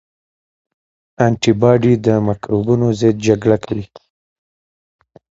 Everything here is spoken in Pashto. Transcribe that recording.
انټي باډي د مکروبونو ضد جګړه کوي